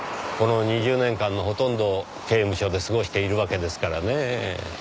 この２０年間のほとんどを刑務所で過ごしているわけですからねぇ。